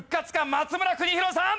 松村邦洋さん！